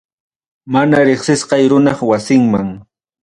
Maná reqsisqay runap wasinman.